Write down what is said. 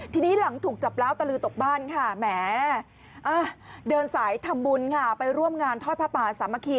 ทีนี้หลังถูกจับแล้วตะลือตกบ้านค่ะแหมเดินสายทำบุญค่ะไปร่วมงานทอดผ้าป่าสามัคคี